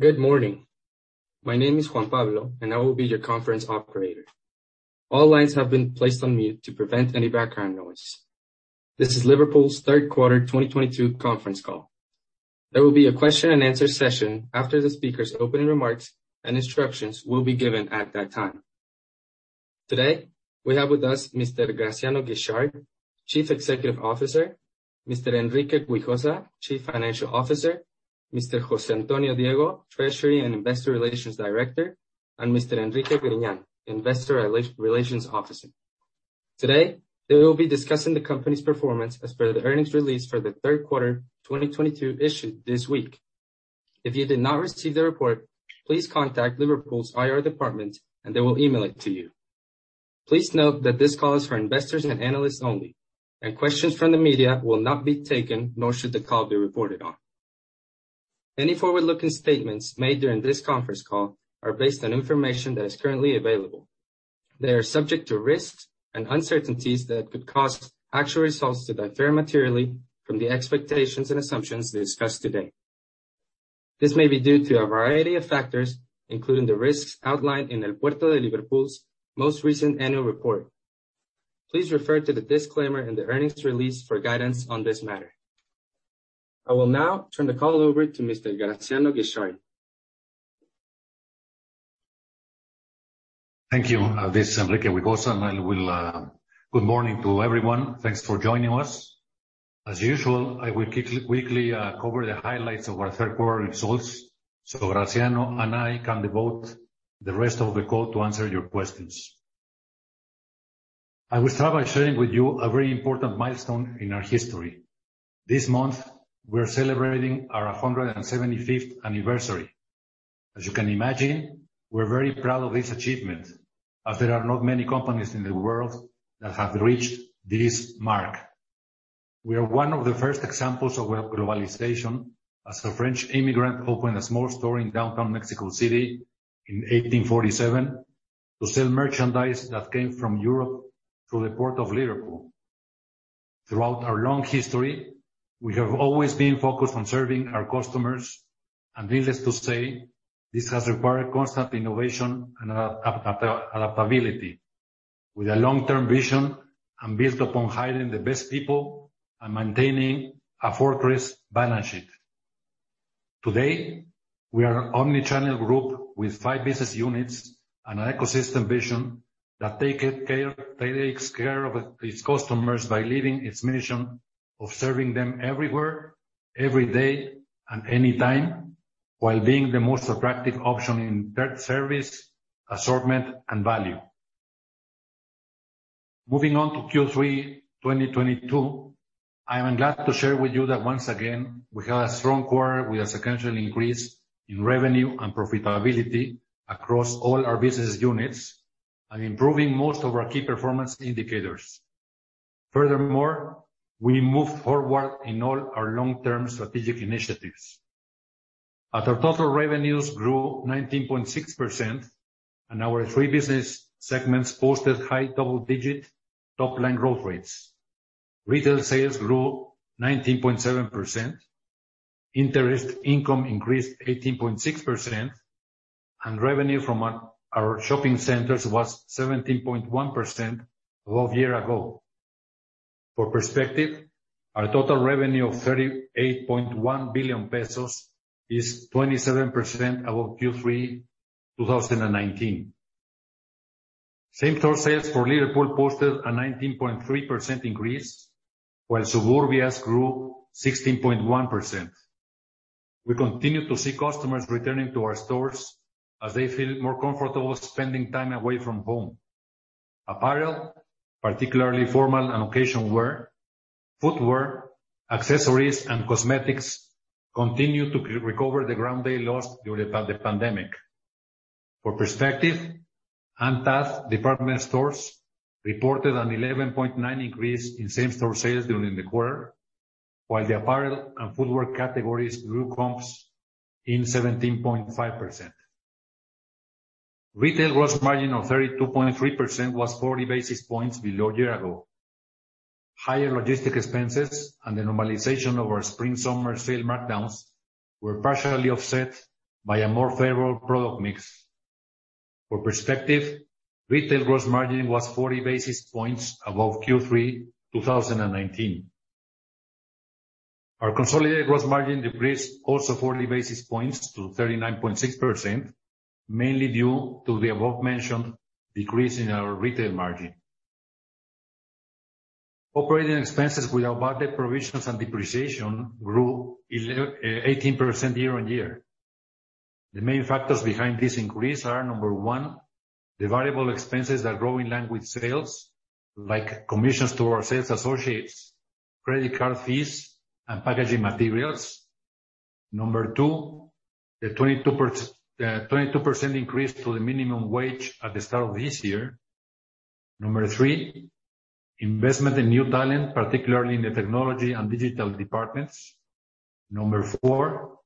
Good morning. My name is Juan Pablo, and I will be your conference operator. All lines have been placed on mute to prevent any background noise. This is Liverpool's third quarter 2022 conference call. There will be a question and answer session after the speaker's opening remarks, and instructions will be given at that time. Today, we have with us Mr. Graciano Guichard, Chief Executive Officer, Mr. Enrique Güijosa, Chief Financial Officer, Mr. José Antonio Diego, Treasury and Investor Relations Director, and Mr. Enrique Griñán, Investor Relations Officer. Today, they will be discussing the company's performance as per the earnings release for the third quarter 2022 issued this week. If you did not receive the report, please contact Liverpool's IR department and they will email it to you. Please note that this call is for investors and analysts only, and questions from the media will not be taken, nor should the call be reported on. Any forward-looking statements made during this conference call are based on information that is currently available. They are subject to risks and uncertainties that could cause actual results to differ materially from the expectations and assumptions discussed today. This may be due to a variety of factors, including the risks outlined in El Puerto de Liverpool's most recent annual report. Please refer to the disclaimer in the earnings release for guidance on this matter. I will now turn the call over to Mr. Graciano Guichard. Thank you. This is Enrique Güijosa. Good morning to everyone. Thanks for joining us. As usual, I will quickly cover the highlights of our third quarter results, so Graciano and I can devote the rest of the call to answer your questions. I will start by sharing with you a very important milestone in our history. This month, we're celebrating our 175th anniversary. As you can imagine, we're very proud of this achievement, as there are not many companies in the world that have reached this mark. We are one of the first examples of a globalization, as a French immigrant opened a small store in downtown Mexico City in 1847 to sell merchandise that came from Europe through the Port of Liverpool. Throughout our long history, we have always been focused on serving our customers. Needless to say, this has required constant innovation and adaptability, with a long-term vision and built upon hiring the best people and maintaining a fortress balance sheet. Today, we are an omnichannel group with five business units and an ecosystem vision that takes care of its customers by living its mission of serving them everywhere, every day, and anytime, while being the most attractive option in price, service, assortment, and value. Moving on to Q3 2022, I am glad to share with you that once again, we had a strong quarter with a sequential increase in revenue and profitability across all our business units, and improving most of our key performance indicators. Furthermore, we moved forward in all our long-term strategic initiatives. As our total revenues grew 19.6% and our three business segments posted high double-digit top-line growth rates. Retail sales grew 19.7%, interest income increased 18.6%, and revenue from our shopping centers was 17.1% above year ago. For perspective, our total revenue of 38.1 billion pesos is 27% above Q3 2019. Same-store sales for Liverpool posted a 19.3% increase, while Suburbia's grew 16.1%. We continue to see customers returning to our stores as they feel more comfortable spending time away from home. Apparel, particularly formal and occasion wear, footwear, accessories, and cosmetics continue to recover the ground they lost during the pandemic. For perspective, ANTAD department stores reported an 11.9% increase in same-store sales during the quarter, while the apparel and footwear categories grew comps 17.5%. Retail gross margin of 32.3% was 40 basis points below year-ago. Higher logistic expenses and the normalization of our spring/summer sale markdowns were partially offset by a more favorable product mix. For perspective, retail gross margin was 40 basis points above Q3 2019. Our consolidated gross margin decreased also 40 basis points to 39.6%, mainly due to the above mentioned decrease in our retail margin. Operating expenses without bad debt provisions and depreciation grew 18% year-on-year. The main factors behind this increase are, number one, the variable expenses that grow in line with sales, like commissions to our sales associates, credit card fees, and packaging materials. Number two, the 22% increase to the minimum wage at the start of this year. Number three, investment in new talent, particularly in the technology and digital departments. Number four,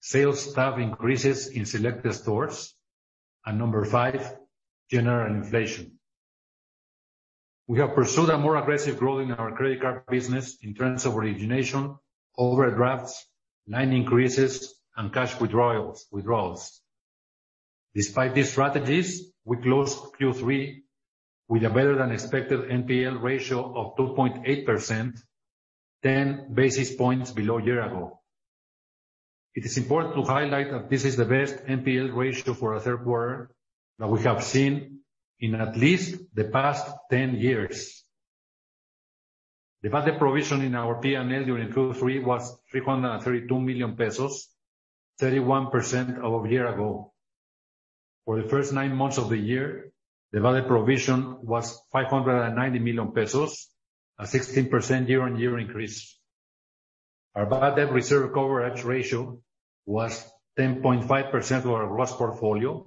sales staff increases in selected stores. Number five, general inflation. We have pursued a more aggressive growth in our credit card business in terms of origination, overdrafts, line increases, and cash withdrawals. Despite these strategies, we closed Q3 with a better than expected NPL ratio of 2.8%, 10 basis points below a year ago. It is important to highlight that this is the best NPL ratio for a third quarter that we have seen in at least the past 10 years. The value provision in our P&L during Q3 was 332 million pesos, 31% above a year ago. For the first nine months of the year, the value provision was 590 million pesos, a 16% year-on-year increase. Our bad debt reserve coverage ratio was 10.5% of our gross portfolio,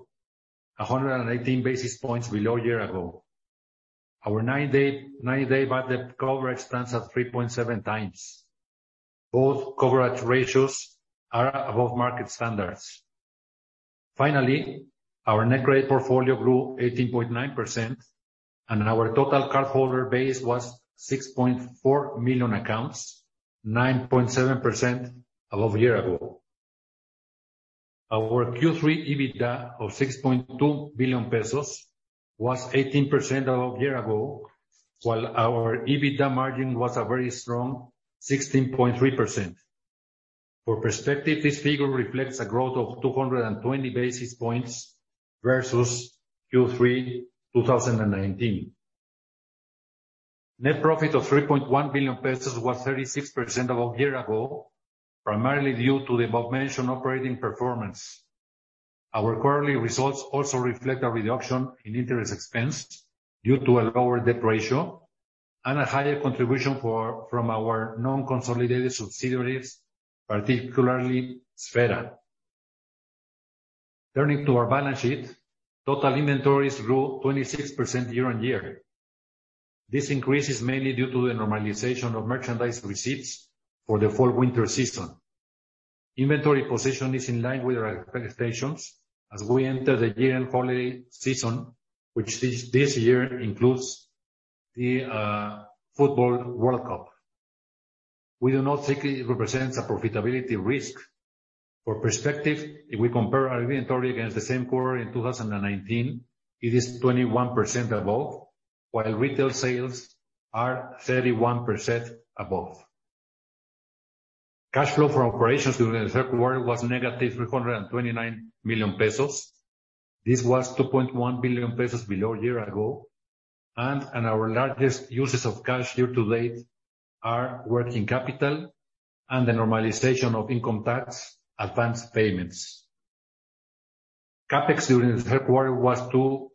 118 basis points below a year ago. Our nine-day bad debt coverage stands at 3.7x. Both coverage ratios are above market standards. Finally, our net credit portfolio grew 18.9% and our total cardholder base was 6.4 million accounts, 9.7% above a year ago. Our Q3 EBITDA of 6.2 billion pesos was 18% above a year ago, while our EBITDA margin was a very strong 16.3%. For perspective, this figure reflects a growth of 220 basis points versus Q3 2019. Net profit of 3.1 billion pesos was 36% above a year ago, primarily due to the above-mentioned operating performance. Our quarterly results also reflect a reduction in interest expense due to a lower debt ratio and a higher contribution for, from our non-consolidated subsidiaries, particularly Sfera. Turning to our balance sheet, total inventories grew 26% year-over-year. This increase is mainly due to the normalization of merchandise receipts for the fall-winter season. Inventory position is in line with our expectations as we enter the year-end holiday season, which this year includes the football World Cup. We do not think it represents a profitability risk. For perspective, if we compare our inventory against the same quarter in 2019, it is 21% above, while retail sales are 31% above. Cash flow from operations during the third quarter was negative 329 million pesos. This was 2.1 billion pesos below a year ago, and our largest uses of cash year to date are working capital and the normalization of income tax advanced payments. CapEx during the third quarter was 2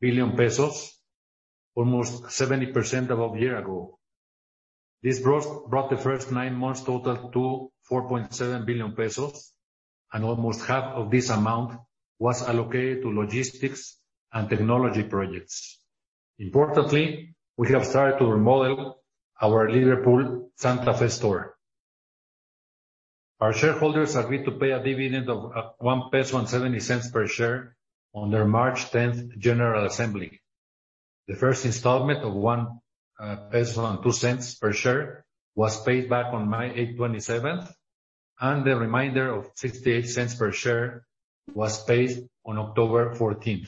billion pesos, almost 70% above a year ago. This brought the first nine months total to 4.7 billion pesos, and almost half of this amount was allocated to logistics and technology projects. Importantly, we have started to remodel our Liverpool Santa Fe store. Our shareholders agreed to pay a dividend of 1.70 peso per share on their March 10th, general assembly. The first installment of 1.02 peso per share was paid back on May 27, and the remainder of 0.68 per share was paid on October 14.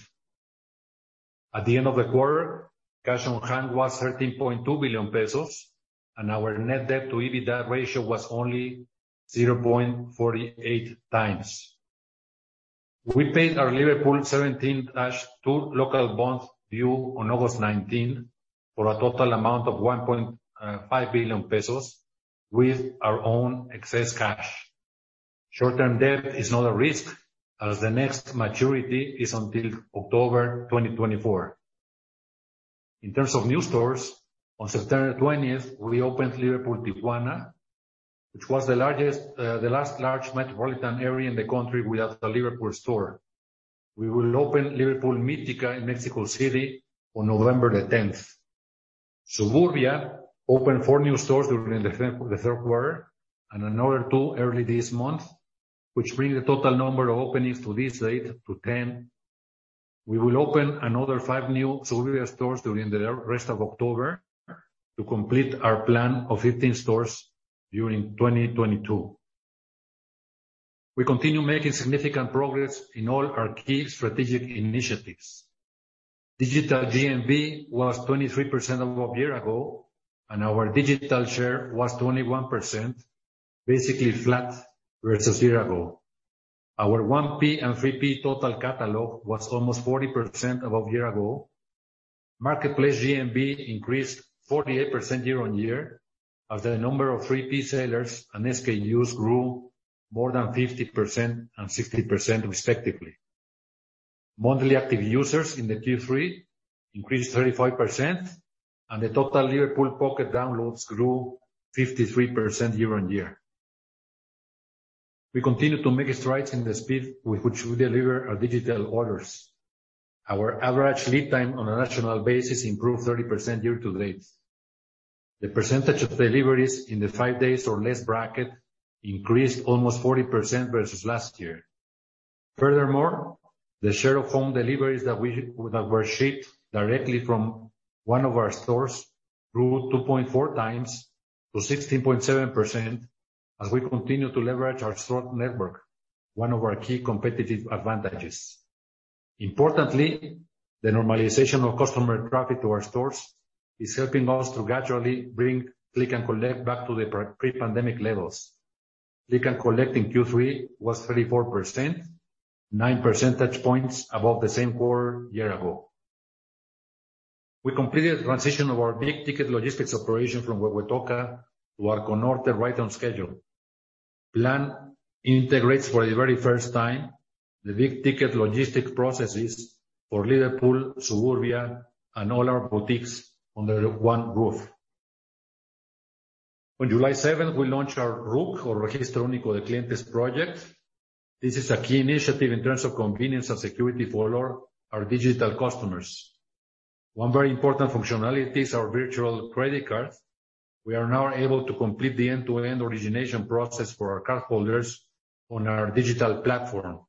At the end of the quarter, cash on hand was 13.2 billion pesos, and our net debt to EBITDA ratio was only 0.48x. We paid our Liverpool 17-2 local bonds due on August 19 for a total amount of 1.5 billion pesos with our own excess cash. Short-term debt is not a risk as the next maturity is until October 2024. In terms of new stores, on September 20th, we opened Liverpool Tijuana, which was the largest, the last large metropolitan area in the country without a Liverpool store. We will open Liverpool Mítikah in Mexico City on November 10th. Suburbia opened four new stores during the third quarter and another two early this month, which bring the total number of openings to this date to 10. We will open another five new Suburbia stores during the rest of October to complete our plan of 15 stores during 2022. We continue making significant progress in all our key strategic initiatives. Digital GMV was 23% above a year ago, and our digital share was 21%, basically flat versus a year ago. Our 1P and 3P total catalog was almost 40% above a year ago. Marketplace GMV increased 48% year-on-year as the number of 3P sellers and SKUs grew more than 50% and 60% respectively. Monthly active users in the Q3 increased 35%, and the total Liverpool Pocket downloads grew 53% year-on-year. We continue to make strides in the speed with which we deliver our digital orders. Our average lead time on a national basis improved 30% year to date. The percentage of deliveries in the five days or less bracket increased almost 40% versus last year. Furthermore, the share of home deliveries that were shipped directly from one of our stores grew 2.4x to 16.7% as we continue to leverage our store network, one of our key competitive advantages. Importantly, the normalization of customer traffic to our stores is helping us to gradually bring Click and Collect back to the pre-pandemic levels. Click and Collect in Q3 was 34%, nine percentage points above the same quarter year ago. We completed the transition of our big-ticket logistics operation from Huehuetoca to our Arco Norte right on schedule. PLAN integrates for the very first time the big ticket logistic processes for Liverpool, Suburbia, and all our boutiques under one roof. On July 7, we launched our RUC or Registro Único de Clientes project. This is a key initiative in terms of convenience and security for all our digital customers. One very important functionality is our virtual credit card. We are now able to complete the end-to-end origination process for our cardholders on our digital platform.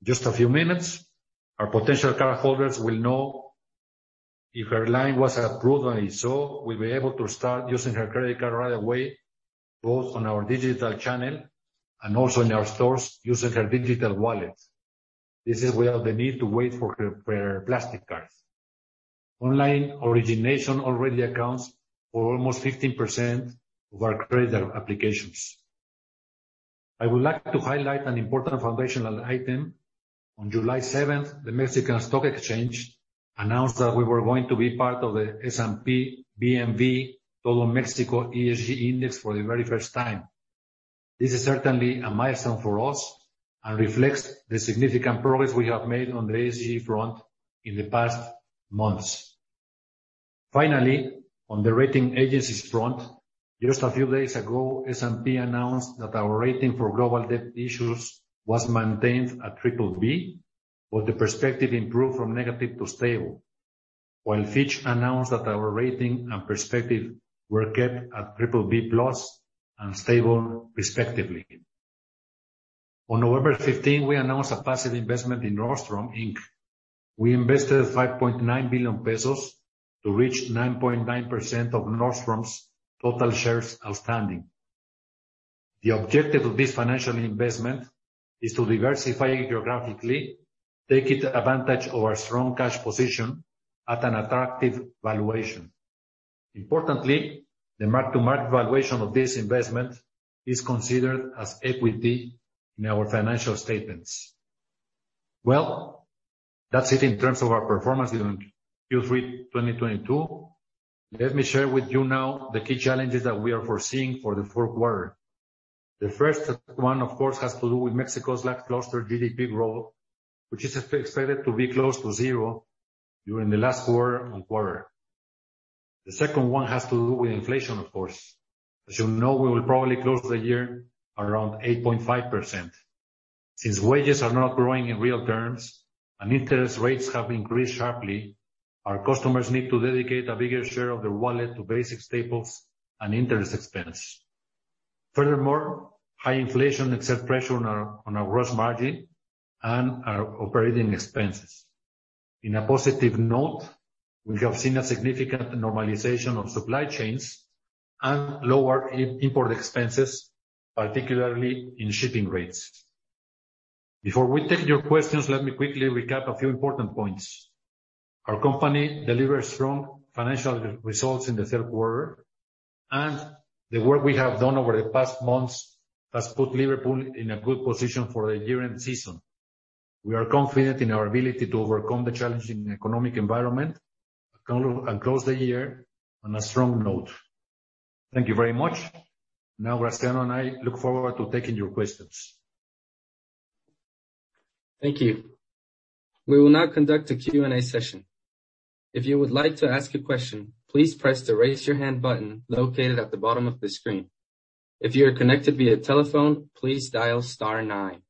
In just a few minutes, our potential cardholders will know if her line was approved, and if so, will be able to start using her credit card right away, both on our digital channel and also in our stores using her digital wallet. This is without the need to wait for her plastic card. Online origination already accounts for almost 15% of our credit applications. I would like to highlight an important foundational item. On July 7th, the Mexican Stock Exchange announced that we were going to be part of the S&P/BMV IPC Mexico ESG Index for the very first time. This is certainly a milestone for us and reflects the significant progress we have made on the ESG front in the past months. Finally, on the rating agencies front, just a few days ago, S&P announced that our rating for global debt issues was maintained at BBB, with the perspective improved from negative to stable. While Fitch announced that our rating and perspective were kept at BBB+ and stable, respectively. On November 15, we announced a passive investment in Nordstrom, Inc. We invested 5.9 billion pesos to reach 9.9% of Nordstrom's total shares outstanding. The objective of this financial investment is to diversify geographically, taking advantage of our strong cash position at an attractive valuation. Importantly, the mark-to-market valuation of this investment is considered as equity in our financial statements. Well, that's it in terms of our performance during Q3 2022. Let me share with you now the key challenges that we are foreseeing for the fourth quarter. The first one, of course, has to do with Mexico's lackluster GDP growth, which is expected to be close to zero during the last quarter-over-quarter. The second one has to do with inflation, of course. As you know, we will probably close the year around 8.5%. Since wages are not growing in real terms and interest rates have increased sharply, our customers need to dedicate a bigger share of their wallet to basic staples and interest expense. Furthermore, high inflation exerts pressure on our gross margin and our operating expenses. On a positive note, we have seen a significant normalization of supply chains and lower import expenses, particularly in shipping rates. Before we take your questions, let me quickly recap a few important points. Our company delivered strong financial results in the third quarter, and the work we have done over the past months has put Liverpool in a good position for the year-end season. We are confident in our ability to overcome the challenging economic environment and close the year on a strong note. Thank you very much. Now, Graciano and I look forward to taking your questions. Thank you. We will now conduct a Q&A session. If you would like to ask a question, please press the Raise Your Hand button located at the bottom of the screen. If you are connected via telephone, please dial star-nine.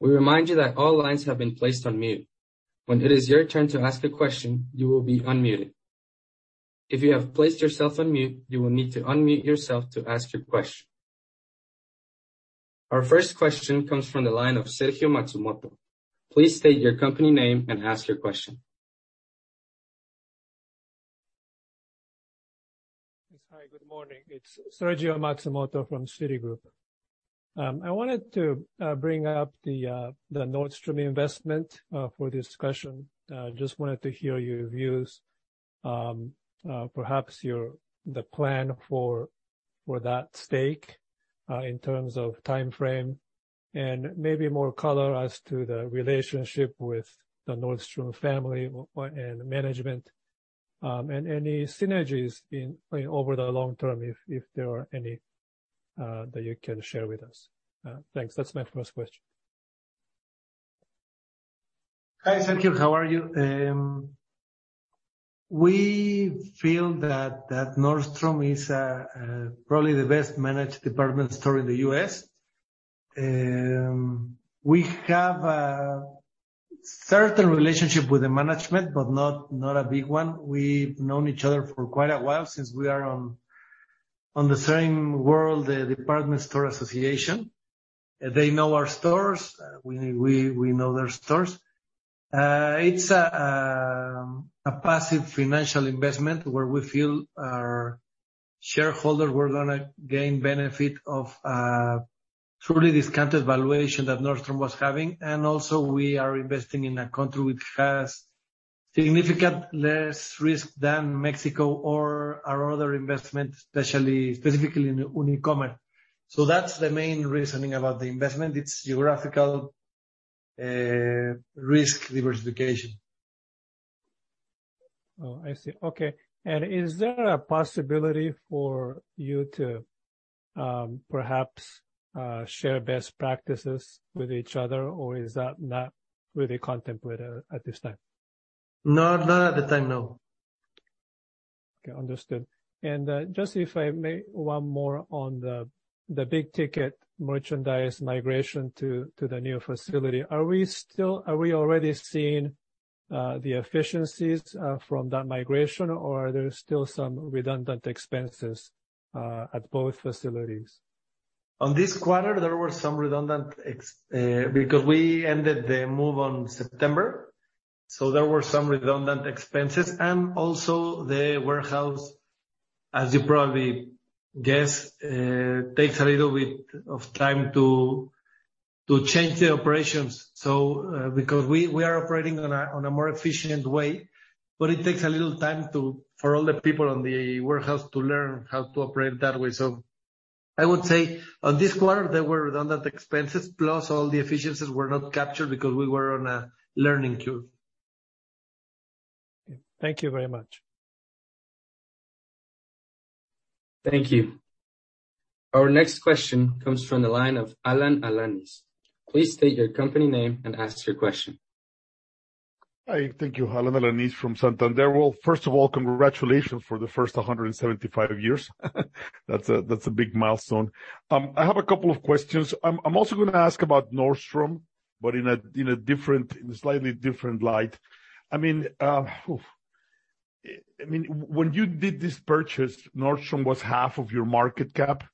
We remind you that all lines have been placed on mute. When it is your turn to ask a question, you will be unmuted. If you have placed yourself on mute, you will need to unmute yourself to ask your question. Our first question comes from the line of Sergio Matsumoto. Please state your company name and ask your question. Yes. Hi, good morning. It's Sergio Matsumoto from Citigroup. I wanted to bring up the Nordstrom investment for discussion. Just wanted to hear your views, perhaps the plan for that stake in terms of timeframe, and maybe more color as to the relationship with the Nordstrom family and management, and any synergies in over the long term if there are any that you can share with us. Thanks. That's my first question. Hi, Sergio, how are you? We feel that Nordstrom is probably the best-managed department store in the U.S. We have a certain relationship with the management, but not a big one. We've known each other for quite a while, since we are on the same world, the Department Store Association. They know our stores. We know their stores. It's a passive financial investment where we feel our shareholders were going to gain benefit of truly discounted valuation that Nordstrom was having. We are investing in a country which has significant less risk than Mexico or our other investments, especially, specifically in Unicomer. That's the main reasoning about the investment. It's geographical risk diversification. I see. Okay. Is there a possibility for you to, perhaps, share best practices with each other, or is that not really contemplated at this time? Not at the time, no. Okay, understood. Just if I may, one more on the big ticket merchandise migration to the new facility. Are we already seeing the efficiencies from that migration or are there still some redundant expenses at both facilities? On this quarter, there were some redundant expenses because we ended the move on September. So those are some of the redundand expences. Also, the warehouse, as you probably guess, takes a little bit of time to change the operations, so because we are operating on a more efficient way, but it takes a little time for all the people on the warehouse to learn how to operate that way. I would say on this quarter, there were redundant expenses, plus all the efficiencies were not captured because we were on a learning curve. Thank you very much. Thank you. Our next question comes from the line of Alan Alanis. Please state your company name and ask your question. Hi. Thank you. Alan Alanis from Santander. Well, first of all, congratulations for the first 175 years. That's a big milestone. I have a couple of questions. I'm also going to ask about Nordstrom, but in a slightly different light. I mean, when you did this purchase, Nordstrom was half of your market cap.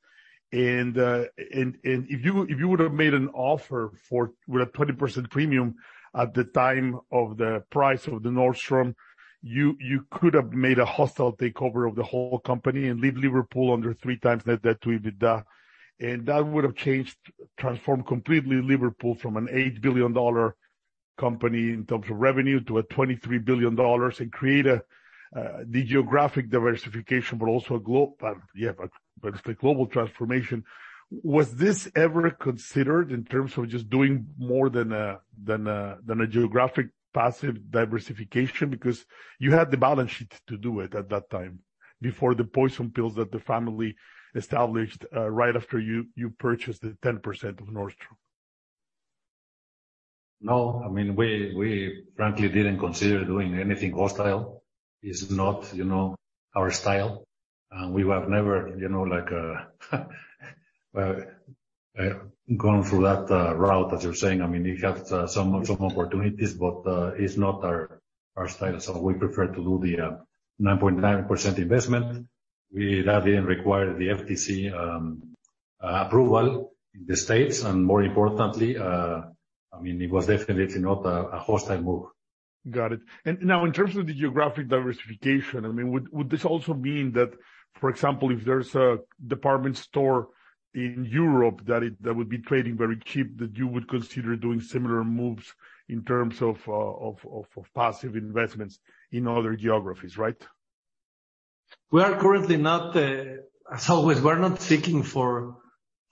And if you would have made an offer for with a 20% premium at the time of the price of the Nordstrom, you could have made a hostile takeover of the whole company and leave Liverpool under 3x net debt to EBITDA. That would have changed, transformed completely Liverpool from an $8 billion company in terms of revenue to a $23 billion and create a the geographic diversification, but also it's the global transformation. Was this ever considered in terms of just doing more than a geographic passive diversification? Because you had the balance sheet to do it at that time before the poison pills that the family established, right after you purchased the 10% of Nordstrom. No. I mean, we frankly didn't consider doing anything hostile. It's not, you know, our style. We have never, you know, like, gone through that route, as you're saying. I mean, you have some opportunities, but, it's not our style. We prefer to do the 9.9% investment. That didn't require the FTC approval in the States. More importantly, I mean, it was definitely not a hostile move. Got it. Now in terms of the geographic diversification, I mean, would this also mean that, for example, if there's a department store in Europe that would be trading very cheap, that you would consider doing similar moves in terms of passive investments in other geographies, right? We are currently not. As always, we're not seeking for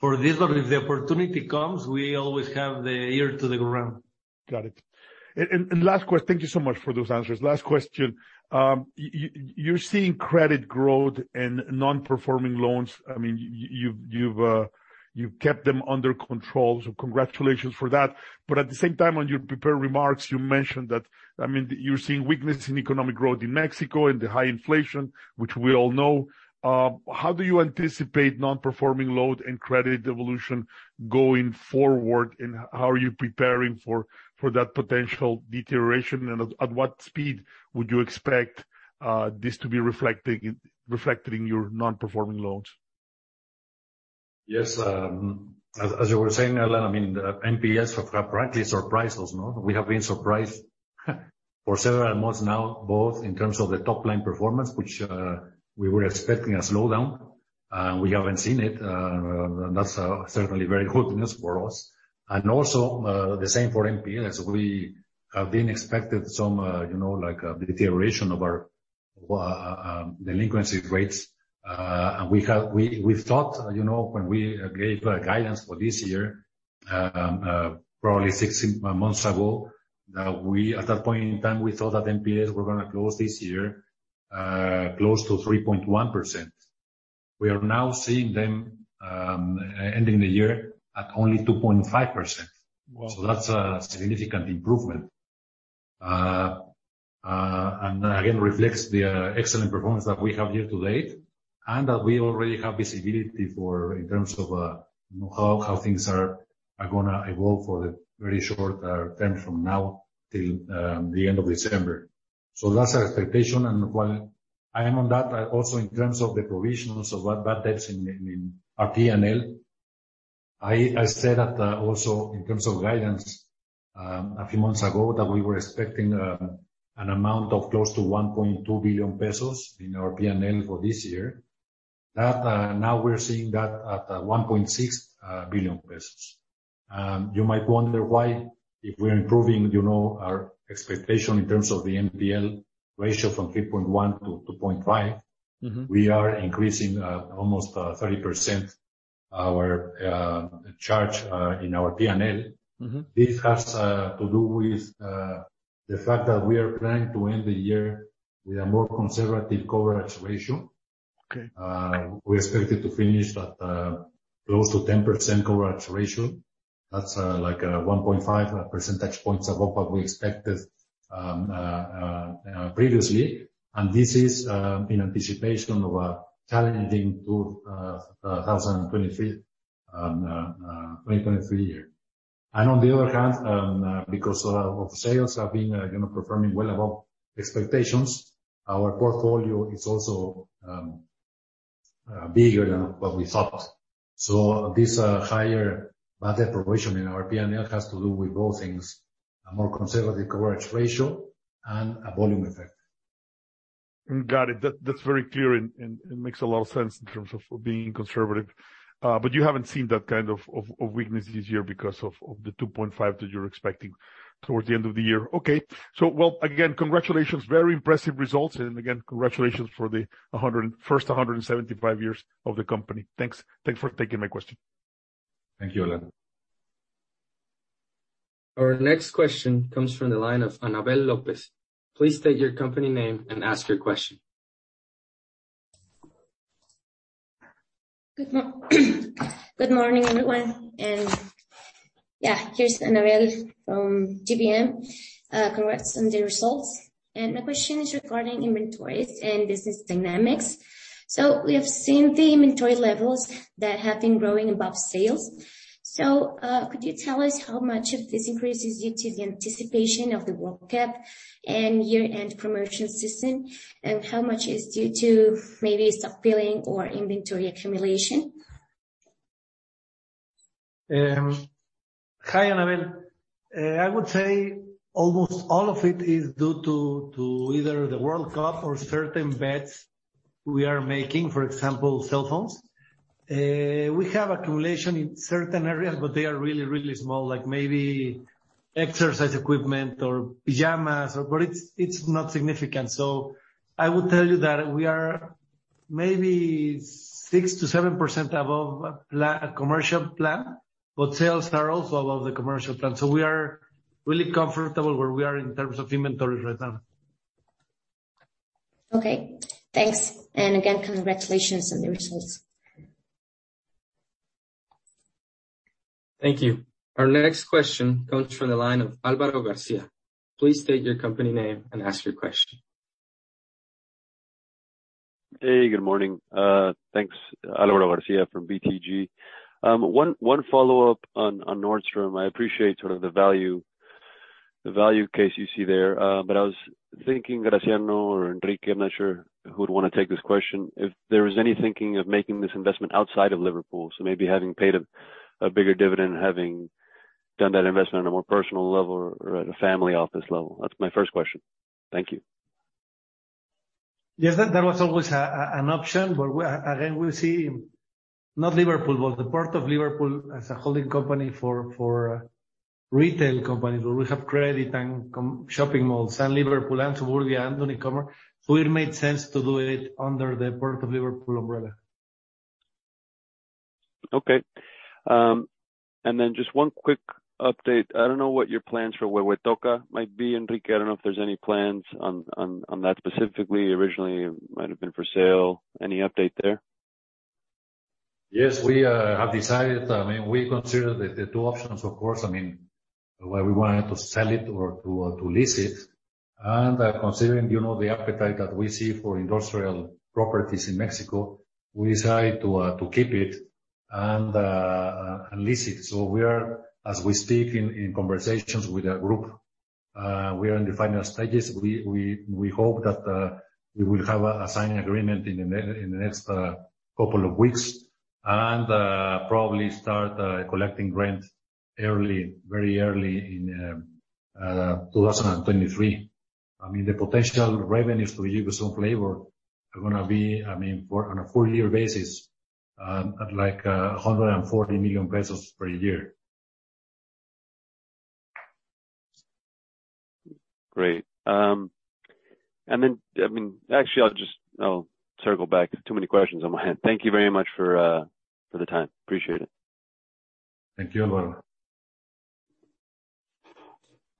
this. If the opportunity comes, we always have the ear to the ground. Got it. Last question. Thank you so much for those answers. Last question. You are seeing credit growth in non-performing loans. I mean, you have kept them under control, so congratulations for that. At the same time, on your prepared remarks, you mentioned that, I mean, you are seeing weakness in economic growth in Mexico and the high inflation, which we all know. How do you anticipate non-performing loans and credit evolution going forward, and how are you preparing for that potential deterioration? At what speed would you expect this to be reflected in your non-performing loans? Yes. As you were saying, Alan, I mean, NPLs have frankly surprised us. No, we have been surprised for several months now, both in terms of the top line performance, which we were expecting a slowdown. We haven't seen it. That's certainly very good news for us. Also, the same for NPLs. We have been expecting some, you know, like a deterioration of our delinquency rates. We thought, you know, when we gave a guidance for this year, probably six months ago, that we, at that point in time, thought that NPLs were going to close this year close to 3.1%. We are now seeing them ending the year at only 2.5%. That's a significant improvement. Reflects the excellent performance that we have year to date, and that we already have visibility for in terms of, you know, how things are going to evolve for the very short-term from now till the end of December. That's our expectation. While I am on that, also in terms of the provisions of what that takes in our P&L, I said that, also in terms of guidance, a few months ago that we were expecting an amount of close to 1.2 billion pesos in our P&L for this year. Now we're seeing that at 1.6 billion pesos. You might wonder why, if we're improving, you know, our expectation in terms of the NPL ratio from 3.1% to 2.5%. We are increasing almost 30% our charge in our P&L. This has to do with the fact that we are planning to end the year with a more conservative coverage ratio. We expected to finish that close to 10% coverage ratio. That's like 1.5 percentage points above what we expected previously. This is in anticipation of a challenging 2023 year. On the other hand, because sales have been, you know, performing well above expectations, our portfolio is also bigger than what we thought. This higher budget provision in our P&L has to do with both things, a more conservative coverage ratio and a volume effect. Got it. That's very clear and makes a lot of sense in terms of being conservative. But you haven't seen that kind of weakness this year because of the 2.5% that you're expecting towards the end of the year. Okay. Well, again, congratulations. Very impressive results. Again, congratulations for the 175 years of the company. Thanks. Thanks for taking my question. Thank you, Alan Alanis. Our next question comes from the line of Anabel López. Please state your company name and ask your question. Good morning, everyone. Yeah, here's Anabel López from GBM, congrats on the results. The question is regarding inventories and business dynamics. We have seen the inventory levels that have been growing above sales. Could you tell us how much of this increase is due to the anticipation of the World Cup and year-end promotion season, and how much is due to maybe stock filling or inventory accumulation? Hi, Anabel. I would say almost all of it is due to either the World Cup or certain bets we are making, for example, cell phones. We have accumulation in certain areas, but they are really, really small, like maybe exercise equipment or pajamas. But it's not significant. I would tell you that we are maybe 6%-7% above commercial plan, but sales are also above the commercial plan. We are really comfortable where we are in terms of inventories right now. Okay, thanks. Again, congratulations on the results. Thank you. Our next question comes from the line of Álvaro García. Please state your company name and ask your question. Hey, good morning. Thanks. Álvaro García from BTG. One follow-up on Nordstrom. I appreciate sort of the value case you see there, but I was thinking, Graciano or Enrique, I'm not sure who would want to take this question, if there was any thinking of making this investment outside of Liverpool. Maybe having paid a bigger dividend, having done that investment on a more personal level or at a family office level. That's my first question. Thank you. Yes, that was always an option. We see not Liverpool, but El Puerto de Liverpool as a holding company for retail companies, where we have credit and commerce, shopping malls, Liverpool, Suburbia, and Unicomer. It made sense to do it under the El Puerto de Liverpool umbrella. Okay. Just one quick update. I don't know what your plans for Huehuetoca might be, Enrique. I don't know if there's any plans on that specifically. Originally, it might have been for sale. Any update there? Yes, we have decided. I mean, we considered the two options, of course. I mean, whether we wanted to sell it or to lease it. Considering, you know, the appetite that we see for industrial properties in Mexico, we decide to keep it and lease it. We are, as we speak, in conversations with a group. We are in the final stages. We hope that we will have a signing agreement in the next couple of weeks and probably start collecting rent early, very early in 2023. I mean, the potential revenues to Liverpool are going to be, I mean, for on a full year basis, at like 140 million pesos per year. Great. I mean, actually, I'll circle back. Too many questions on my hands. Thank you very much for the time. Appreciate it. Thank you, Álvaro.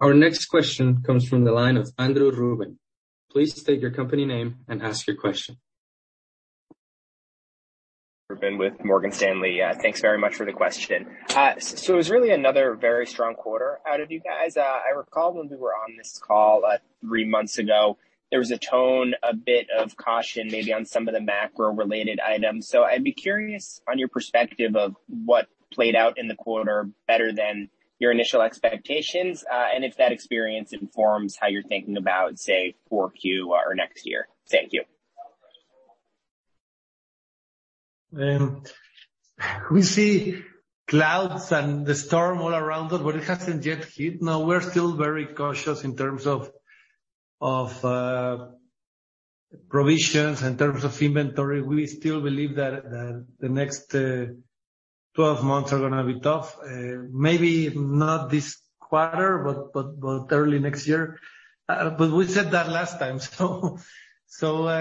Our next question comes from the line of Andrew Ruben. Please state your company name and ask your question. Ruben with Morgan Stanley. Thanks very much for the question. It was really another very strong quarter out of you guys. I recall when we were on this call, three months ago, there was a tone, a bit of caution maybe on some of the macro-related items. I'd be curious on your perspective of what played out in the quarter better than your initial expectations, and if that experience informs how you're thinking about, say, 4Q or next year. Thank you. We see clouds and the storm all around us, but it hasn't yet hit. No, we're still very cautious in terms of provisions, in terms of inventory. We still believe that the next 12 months are going to be tough. Maybe not this quarter, but early next year. We said that last time, so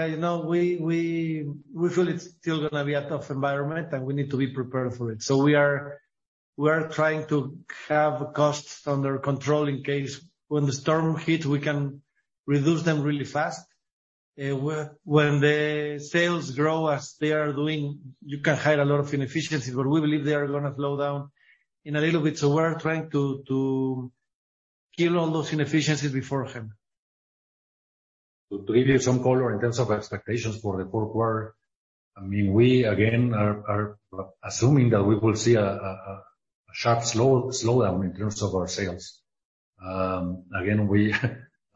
you know, we feel it's still going to be a tough environment, and we need to be prepared for it. We are trying to have costs under control in case when the storm hit, we can reduce them really fast. When the sales grow as they are doing, you can hide a lot of inefficiencies, but we believe they are going to slow down in a little bit. We're trying to kill all those inefficiencies beforehand. To give you some color in terms of expectations for the fourth quarter, I mean, we again are assuming that we will see a sharp slowdown in terms of our sales. Again,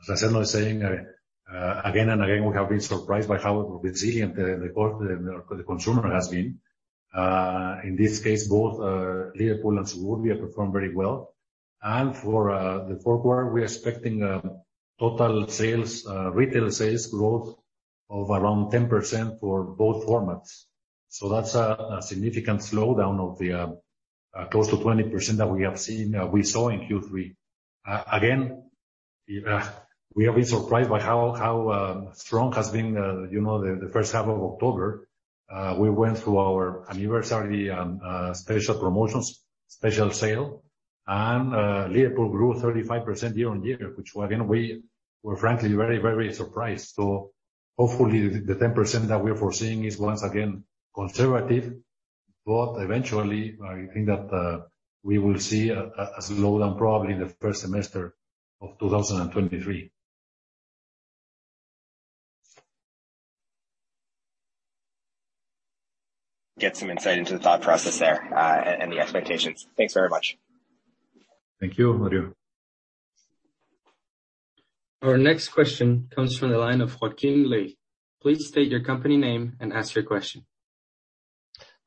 as I said, again and again, we have been surprised by how resilient the consumer has been. In this case, both Liverpool and Suburbia performed very well. For the fourth quarter, we're expecting total sales retail sales growth of around 10% for both formats. That's a significant slowdown of the close to 20% that we have seen, we saw in Q3. Again, we have been surprised by how strong has been, you know, the first half of October. We went through our anniversary and special promotions, special sale, and Liverpool grew 35% year-on-year, which again we were frankly very surprised. Hopefully the 10% that we're foreseeing is once again conservative. Eventually I think that we will see a slowdown probably in the first semester of 2023. Get some insight into the thought process there, and the expectations. Thanks very much. Thank you, Andrew Ruben. Our next question comes from the line of Joaquín Ley. Please state your company name and ask your question.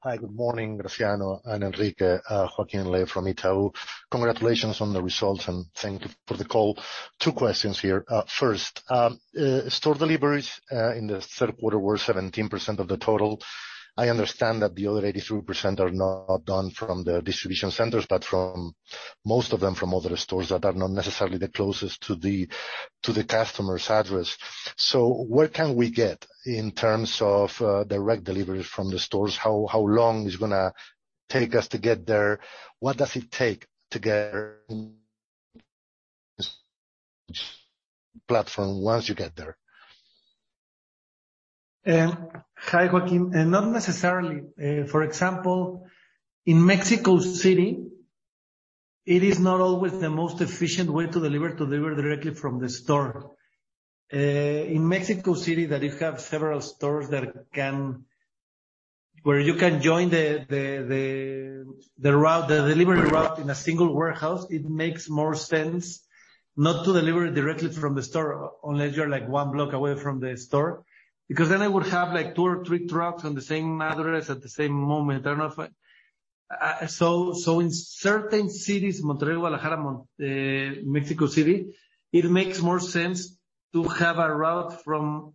Hi, good morning, Graciano and Enrique. Joaquín Ley from Itaú. Congratulations on the results, and thank you for the call. Two questions here. First, store deliveries in the third quarter were 17% of the total. I understand that the other 83% are not done from the distribution centers, but from most of them from other stores that are not necessarily the closest to the customer's address. Where can we get in terms of direct deliveries from the stores? How long it's going to take us to get there? What does it take to get platform once you get there? Hi, Joaquín. Not necessarily. For example, in Mexico City, it is not always the most efficient way to deliver directly from the store. In Mexico City, that you have several stores where you can join the delivery route in a single warehouse, it makes more sense not to deliver directly from the store unless you're like one block away from the store. Because then I would have like two or three trucks on the same address at the same moment. I don't know if. In certain cities, Monterrey, Guadalajara, Mexico City, it makes more sense to have a route from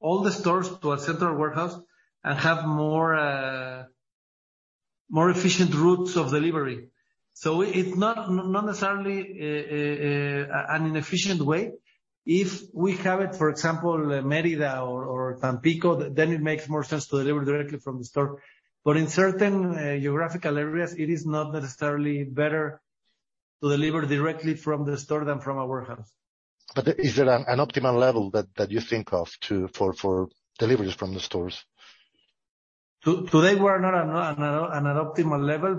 all the stores to a central warehouse and have more efficient routes of delivery. It's not necessarily an inefficient way. If we have it, for example, Mérida or Tampico, then it makes more sense to deliver directly from the store. In certain geographical areas, it is not necessarily better to deliver directly from the store than from a warehouse. Is there an optimal level that you think of for deliveries from the stores? Today, we're not at an optimal level.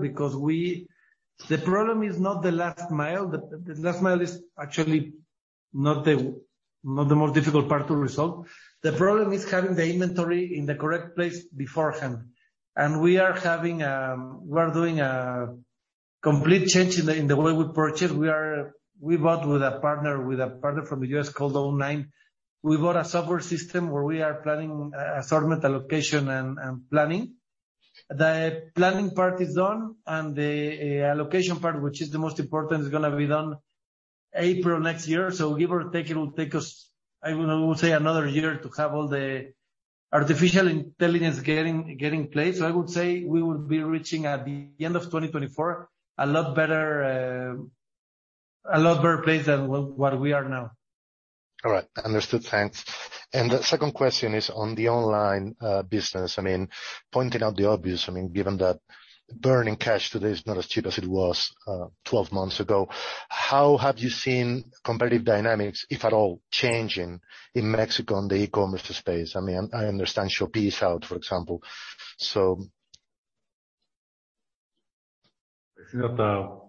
The problem is not the last mile. The last mile is actually not the most difficult part to resolve. The problem is having the inventory in the correct place beforehand. We are doing a complete change in the way we purchase. We bought with a partner from the U.S. called o9. We bought a software system where we are planning assortment, allocation, and planning. The planning part is done, and the allocation part, which is the most important, is going to be done April next year. Give or take, it will take us, I would say, another year to have all the artificial intelligence getting placed. I would say we will be reaching at the end of 2024 a lot better, a lot better place than what we are now. All right. Understood. Thanks. The second question is on the online business. I mean, pointing out the obvious, I mean, given that burning cash today is not as cheap as it was, 12 months ago. How have you seen competitive dynamics, if at all, changing in Mexico in the e-commerce space? I mean, I understand Shopee is out, for example. I think that,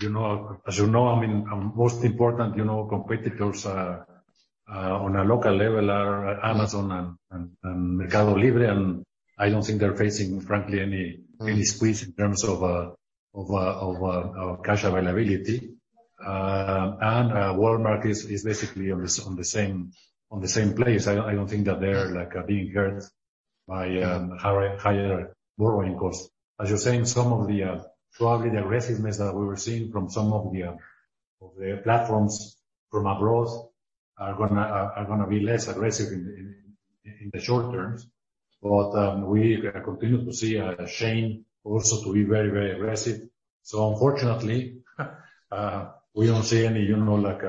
you know, as you know, I mean, most important, you know, competitors on a local level are Amazon and Mercado Libre, and I don't think they're facing, frankly, any squeeze in terms of cash availability. Walmart is basically on the same place. I don't think that they're like being hurt by higher borrowing costs. As you're saying, some of the, probably the aggressiveness that we were seeing from some of the platforms from abroad are going to be less aggressive in the short terms. We continue to see Shein also to be very aggressive. Unfortunately, we don't see any, you know, like,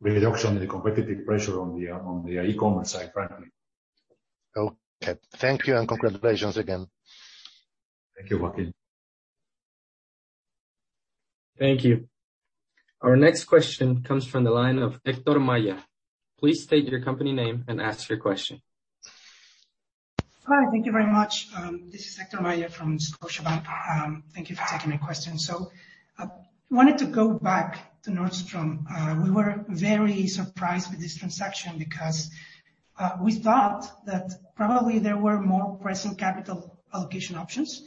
reduction in the competitive pressure on the e-commerce side, frankly. Okay. Thank you and congratulations again. Thank you, Joaquín. Thank you. Our next question comes from the line of Héctor Maya. Please state your company name and ask your question. Hi, thank you very much. This is Héctor Maya from Scotiabank. Thank you for taking my question. Wanted to go back to Nordstrom. We were very surprised with this transaction because we thought that probably there were more pressing capital allocation options.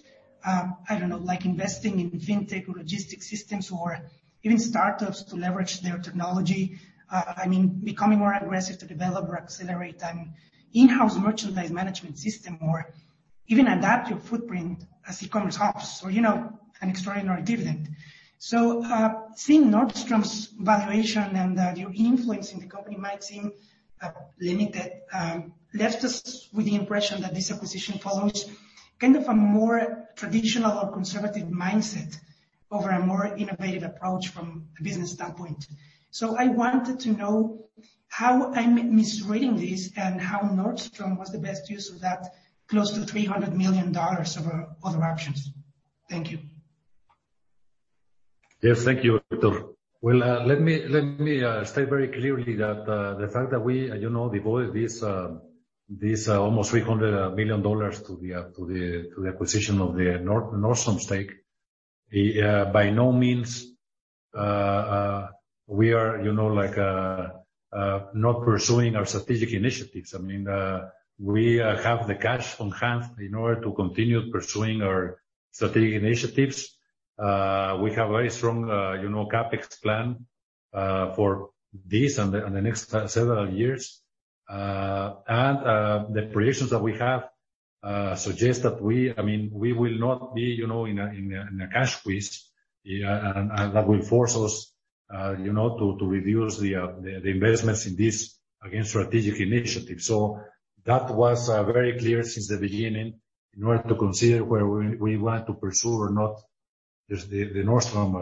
I don't know, like investing in fintech or logistics systems or even start-ups to leverage their technology. I mean, becoming more aggressive to develop or accelerate an in-house merchandise management system or even adapt your footprint as e-commerce hubs or, you know, an extraordinary dividend. Seeing Nordstrom's valuation and that your influence in the company might seem limited left us with the impression that this acquisition follows kind of a more traditional or conservative mindset over a more innovative approach from a business standpoint. I wanted to know how I'm misreading this and how Nordstrom was the best use of that close to $300 million over other options. Thank you. Yes, thank you, Héctor. Well, let me state very clearly that the fact that we, you know, devoted this almost $300 million to the acquisition of the Nordstrom stake by no means we are, you know, like not pursuing our strategic initiatives. I mean, we have the cash on hand in order to continue pursuing our strategic initiatives. We have very strong, you know, CapEx plan for this and the next several years. The projections that we have suggest that we, I mean, we will not be, you know, in a cash squeeze, and that will force us, you know, to reduce the investments in this, again, strategic initiative. That was very clear since the beginning in order to consider whether we wanted to pursue or not just the Nordstrom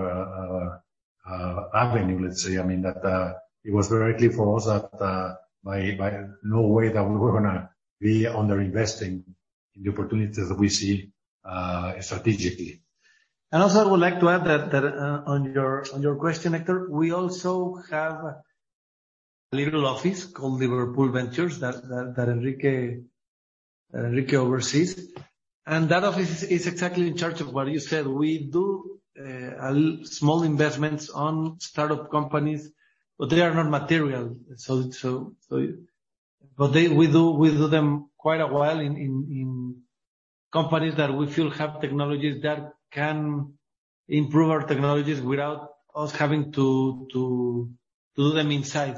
avenue, let's say. I mean, that it was very clear for us that by no way that we were going to be under-investing in the opportunities that we see strategically. I would like to add that on your question, Héctor, we also have a little office called Liverpool Ventures that Enrique oversees. That office is exactly in charge of what you said. We do a small investments on startup companies, but they are not material. But we do them quite a while in companies that we feel have technologies that can improve our technologies without us having to do them inside.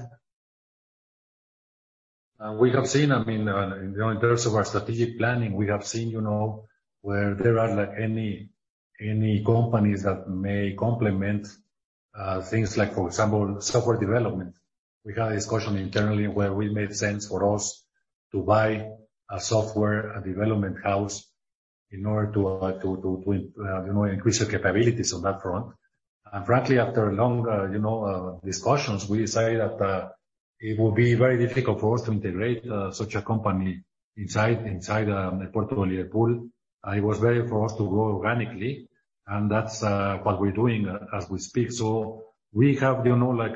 We have seen, I mean, in terms of our strategic planning, we have seen, you know, where there are like any companies that may complement things like, for example, software development. We had a discussion internally where it made sense for us to buy a software development house in order to, you know, increase our capabilities on that front. Frankly, after long, you know, discussions, we decided that it would be very difficult for us to integrate such a company inside a portfolio pool. It was better for us to grow organically, and that's what we're doing as we speak. We have, you know, like,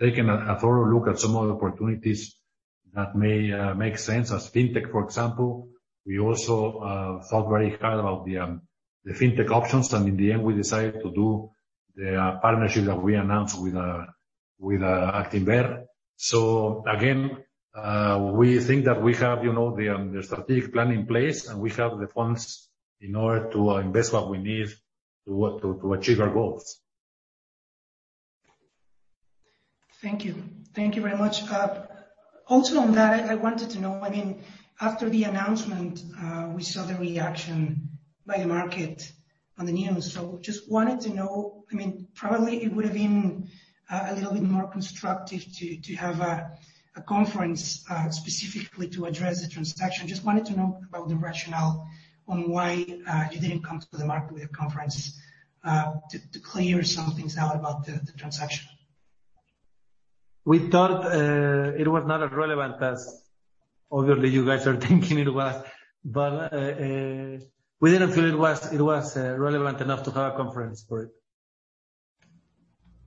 taken a thorough look at some other opportunities that may make sense as fintech, for example. We also thought very hard about the Fintech options, and in the end, we decided to do the partnership that we announced with Actinver. Again, we think that we have, you know, the strategic plan in place and we have the funds in order to invest what we need to achieve our goals. Thank you. Thank you very much. Also on that, I wanted to know, I mean, after the announcement, we saw the reaction by the market on the news. Just wanted to know, I mean, probably it would have been a little bit more constructive to have a conference specifically to address the transaction. Just wanted to know about the rationale on why you didn't come to the market with a conference to clear some things out about the transaction. We thought it was not as relevant as obviously you guys are thinking it was. We didn't feel it was relevant enough to have a conference for it.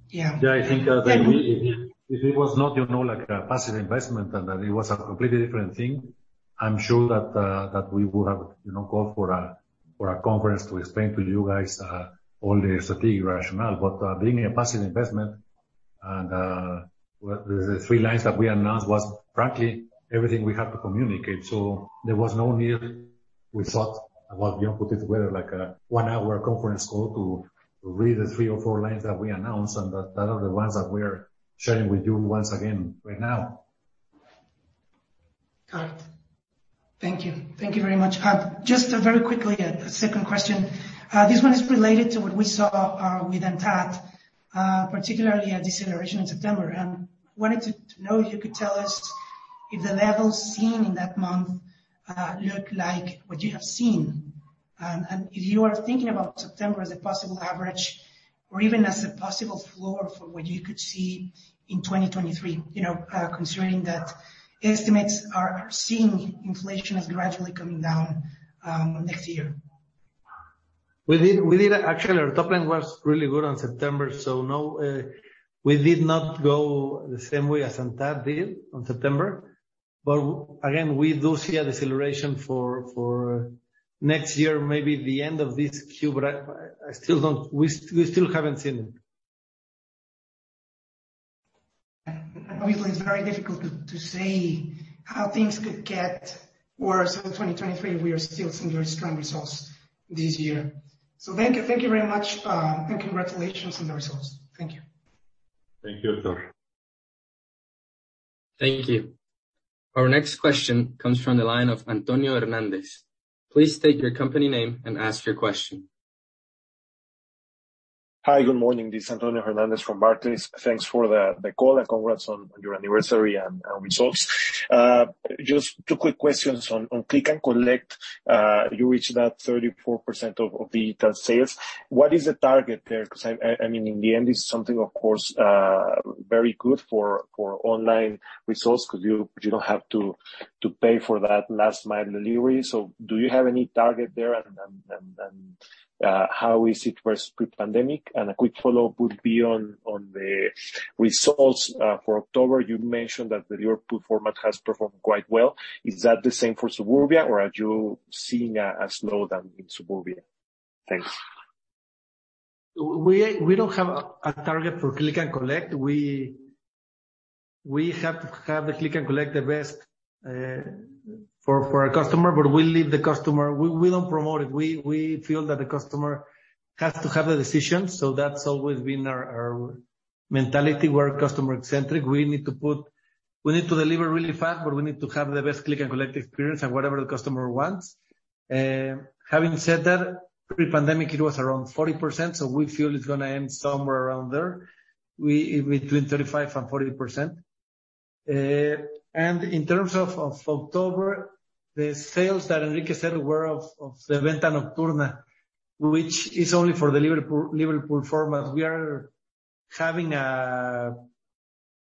Yeah, I think, if it was not, you know, like a passive investment and that it was a completely different thing, I'm sure that that we would have, you know, gone for a conference to explain to you guys all the strategic rationale. Being a passive investment and the three lines that we announced was frankly everything we had to communicate. There was no need, we thought, about, you know, putting together like a one-hour conference call to read the three or four lines that we announced, and that are the ones that we are sharing with you once again right now. Got it. Thank you. Thank you very much. Just very quickly, a second question. This one is related to what we saw with ANTAD, particularly a deceleration in September. Wanted to know if you could tell us if the levels seen in that month look like what you have seen. If you are thinking about September as a possible average or even as a possible floor for what you could see in 2023, you know, considering that estimates are seeing inflation as gradually coming down next year. We did. Actually, our top line was really good on September, so no, we did not go the same way as ANTAD did on September. Again, we do see a deceleration for next year, maybe the end of this Q. We still haven't seen it. Obviously, it's very difficult to say how things could get worse in 2023. We are still seeing very strong results this year. Thank you. Thank you very much. Congratulations on the results. Thank you. Thank you, Héctor. Thank you. Our next question comes from the line of Antonio Hernández. Please state your company name and ask your question. Hi. Good morning. This is Antonio Hernández from Barclays. Thanks for the call and congrats on your anniversary and results. Just two quick questions on Click and Collect. You reached about 34% of the retail sales. What is the target there? Because I mean, in the end, it's something of course very good for online results because you don't have to pay for that last mile delivery. So do you have any target there and how is it versus pre-pandemic? A quick follow-up would be on the results for October. You mentioned that the Liverpool format has performed quite well. Is that the same for Suburbia or are you seeing a slowdown in Suburbia? Thanks. We don't have a target for click and collect. We have to have click and collect the best for our customer, but we leave the customer. We don't promote it. We feel that the customer has to have the decision. That's always been our mentality. We're customer-centric. We need to deliver really fast, but we need to have the best click and collect experience and whatever the customer wants. Having said that, pre-pandemic it was around 40%, so we feel it's going to end somewhere around there, between 35%-40%. In terms of October, the sales that Enrique said were of Venta Nocturna, which is only for the Liverpool format. We are having a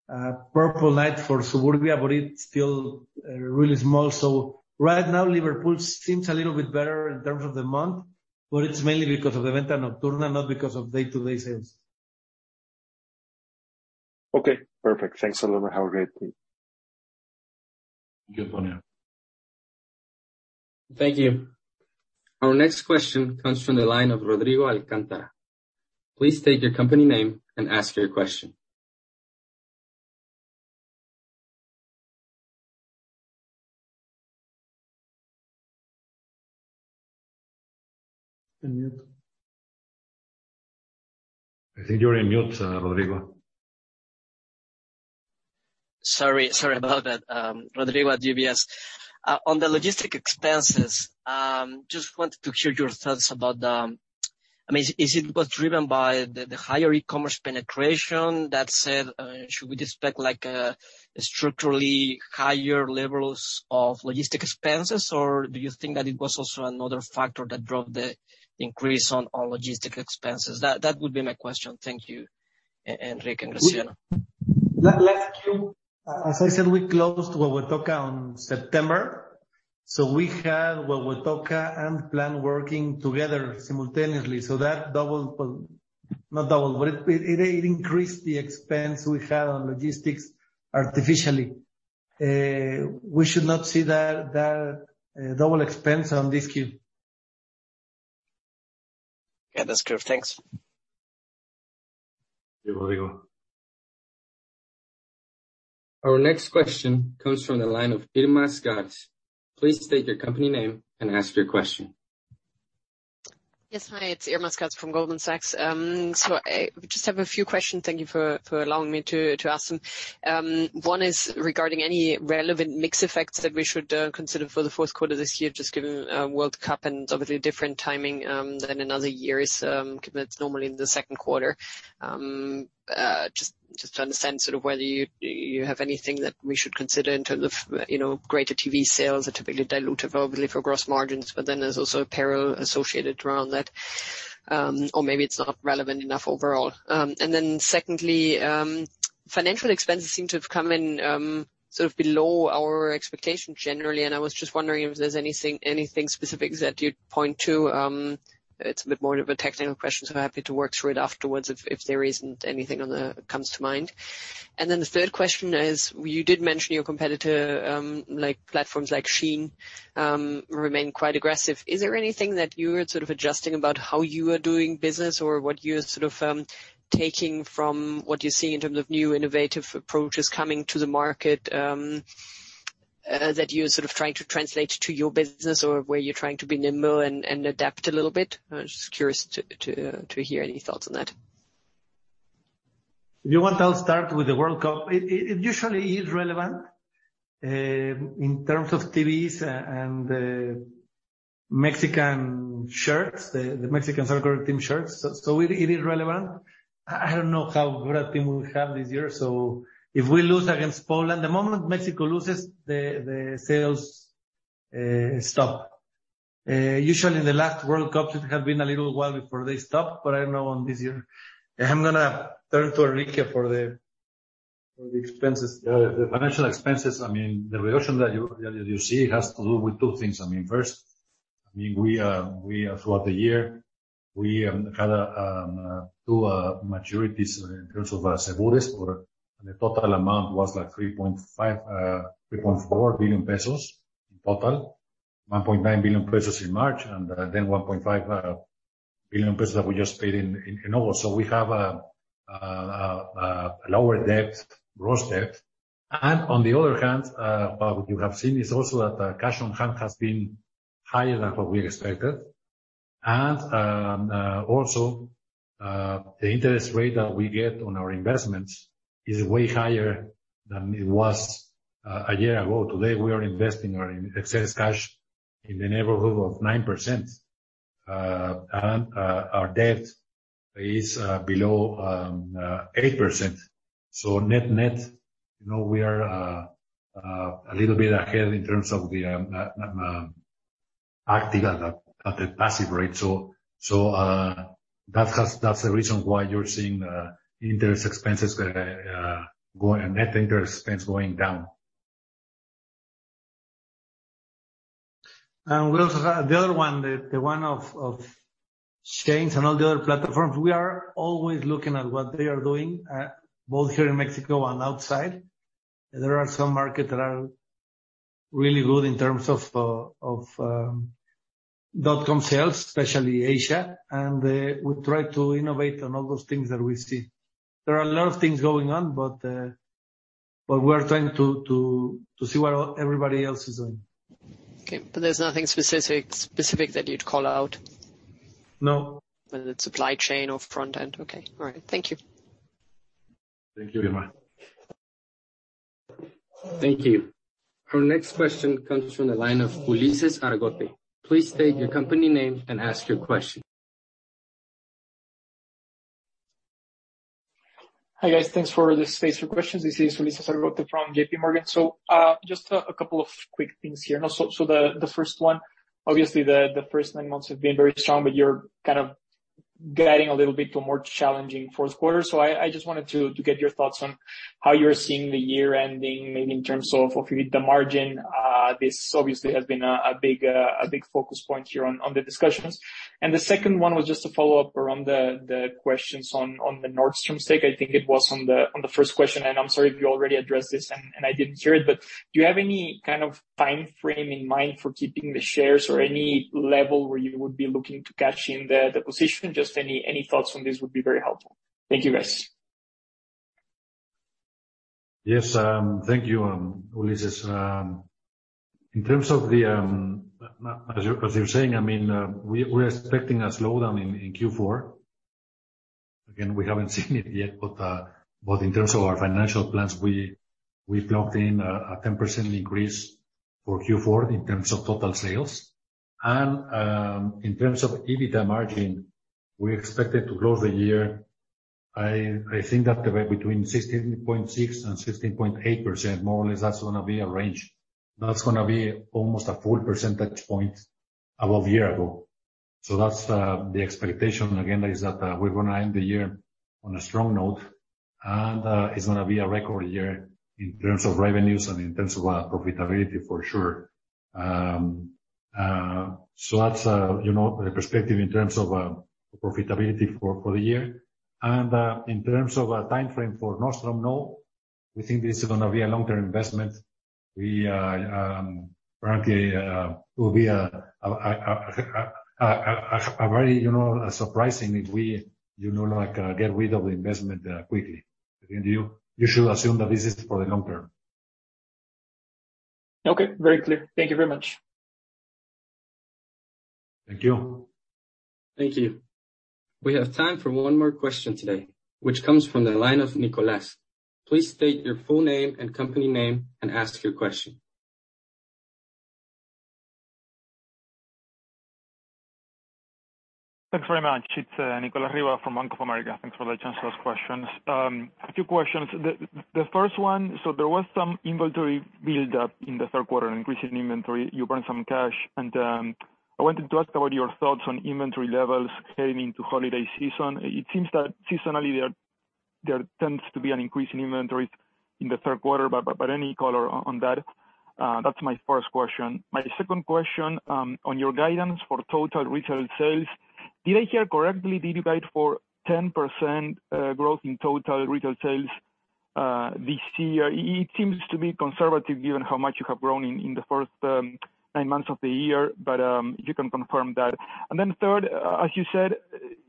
Noche Morada for Suburbia, but it's still really small. Right now, Liverpool seems a little bit better in terms of the month, but it's mainly because of the Venta Nocturna, not because of day-to-day sales. Okay, perfect. Thanks a lot. Have a great day. Thank you, Antonio. Thank you. Our next question comes from the line of Rodrigo Alcántara. Please state your company name and ask your question. Unmute. I think you're on mute, Rodrigo. Sorry about that. Rodrigo at UBS. On the logistics expenses, just wanted to hear your thoughts about, I mean, was it driven by the higher e-commerce penetration that said, should we expect like a structurally higher levels of logistics expenses or do you think that it was also another factor that drove the increase on all logistics expenses? That would be my question. Thank you, Enrique and Graciano. Last Q, as I said, we closed Huehuetoca on September, so we had Huehuetoca and PLAN working together simultaneously. It increased the expense we had on logistics artificially. We should not see that double expense on this Q. Yeah, that's clear. Thanks. Thank you, Rodrigo. Our next question comes from the line of Irma Sgarz. Please state your company name and ask your question. Yes. Hi, it's Irma Sgarz from Goldman Sachs. I just have a few questions. Thank you for allowing me to ask them. One is regarding any relevant mix effects that we should consider for the fourth quarter this year, just given World Cup and obviously different timing than another year's that's normally in the second quarter. Just to understand sort of whether you have anything that we should consider in terms of, you know, greater TV sales are typically dilutive obviously for gross margins, but then there's also apparel associated around that or maybe it's not relevant enough overall. Then secondly, Financial expenses seem to have come in sort of below our expectation generally, and I was just wondering if there's anything specific that you'd point to. It's a bit more of a technical question, so I'm happy to work through it afterwards if there isn't anything comes to mind. The third question is, you did mention your competitor like platforms like Shein remain quite aggressive. Is there anything that you are sort of adjusting about how you are doing business or what you're sort of taking from what you're seeing in terms of new innovative approaches coming to the market that you're sort of trying to translate to your business or where you're trying to be nimble and adapt a little bit? I'm just curious to hear any thoughts on that. If you want, I'll start with the World Cup. It usually is relevant in terms of TVs and the Mexican shirts, the Mexican soccer team shirts. It is relevant. I don't know how good a team we have this year, so if we lose against Poland, the moment Mexico loses, the sales stop. Usually in the last World Cup, it has been a little while before they stop, but I don't know on this year. I'm going to turn to Enrique for the expenses. The financial expenses, I mean, the reduction that you see has to do with two things. I mean, first, we throughout the year we had two maturities in terms of CEBURES, or the total amount was like 3.4 billion pesos in total. 1.9 billion pesos in March, and then 1.5 billion pesos that we just paid in November. We have a lower debt, gross debt. On the other hand, what you have seen is also that the cash on hand has been higher than what we expected. Also, the interest rate that we get on our investments is way higher than it was a year ago. Today, we are investing our excess cash in the neighborhood of 9%. Our debt is below 8%. Net-net, you know, we are a little bit ahead in terms of the active at the passive rate. That's the reason why you're seeing net interest expense going down. We also have the other one of Shein and all the other platforms. We are always looking at what they are doing, both here in Mexico and outside. There are some markets that are really good in terms of dot-com sales, especially Asia, and we try to innovate on all those things that we see. There are a lot of things going on, but we're trying to see what everybody else is doing. Okay. There's nothing specific that you'd call out? No. Whether it's supply chain or front end. Okay. All right. Thank you. Thank you, Irma. Thank you. Our next question comes from the line of Ulises Argote. Please state your company name and ask your question. Hi, guys. Thanks for the space for questions. This is Ulises Argote from JPMorgan. Just a couple of quick things here. The first one, obviously the first nine months have been very strong, but you're kind of getting a little bit to a more challenging fourth quarter. I just wanted to get your thoughts on how you're seeing the year ending, maybe in terms of EBITDA margin. This obviously has been a big focus point here on the discussions. The second one was just a follow-up around the questions on the Nordstrom stake. I think it was on the first question, and I'm sorry if you already addressed this and I didn't hear it, but do you have any kind of timeframe in mind for keeping the shares or any level where you would be looking to cash in the position? Just any thoughts on this would be very helpful. Thank you, guys. Yes. Thank you, Ulises. As you're saying, I mean, we're expecting a slowdown in Q4. Again, we haven't seen it yet, but in terms of our financial plans, we've locked in a 10% increase for Q4 in terms of total sales. In terms of EBITDA margin, we expected to close the year, I think at the rate between 16.6% and 16.8%, more or less that's going to be our range. That's going to be almost a full percentage point above year ago. That's the expectation again is that, we're going to end the year on a strong note, and it's going to be a record year in terms of revenues and in terms of profitability for sure. That's, you know, the perspective in terms of profitability for the year. In terms of a timeframe for Nordstrom, no, we think this is going to be a long-term investment. We frankly, it will be a very, you know, surprising if we, you know, like, get rid of the investment, quickly. You should assume that this is for the long term. Okay. Very clear. Thank you very much. Thank you. Thank you. We have time for one more question today, which comes from the line of Nicolas. Please state your full name and company name and ask your question. Thanks very much. It's Nicolas Riva from Bank of America. Thanks for the chance to ask questions. A few questions. The first one, so there was some inventory build-up in the third quarter, increasing inventory. You burned some cash, and I wanted to ask about your thoughts on inventory levels heading into holiday season. It seems that seasonally they are. There tends to be an increase in inventories in the third quarter, but any color on that? That's my first question. My second question, on your guidance for total retail sales, did I hear correctly, did you guide for 10% growth in total retail sales, this year? It seems to be conservative given how much you have grown in the first nine months of the year, if you can confirm that. Third, as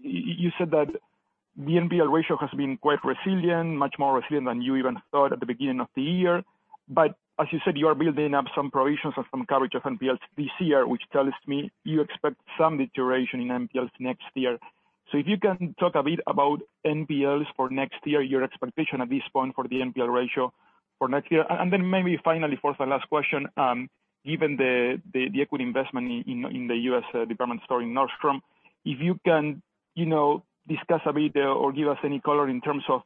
you said that the NPL ratio has been quite resilient, much more resilient than you even thought at the beginning of the year. As you said, you are building up some provisions and some coverage of NPLs this year, which tells me you expect some deterioration in NPLs next year. If you can talk a bit about NPLs for next year, your expectation at this point for the NPL ratio for next year. Maybe finally, fourth and last question, given the equity investment in the U.S. department store in Nordstrom, if you can, you know, discuss a bit or give us any color in terms of